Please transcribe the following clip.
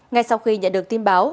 ngay sau khi nhận được tin báo